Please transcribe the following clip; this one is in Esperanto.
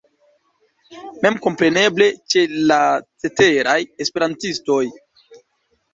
Memkompreneble ĉe la ceteraj esperantistoj.